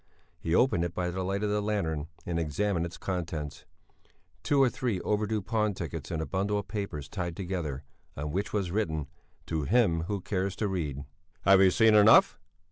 He opened it by the light of the lantern and examined its contents two or three overdue pawn tickets and a bundle of papers tied together, on which was written: To him who cares to read. "Have you seen enough?"